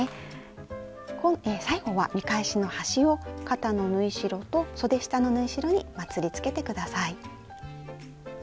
最後は見返しの端を肩の縫い代とそで下の縫い代にまつりつけて下さい。